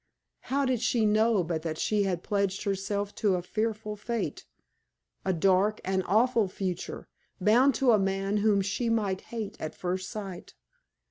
How did she know but that she had pledged herself to a fearful fate a dark, an awful future, bound to a man whom she might hate at first sight?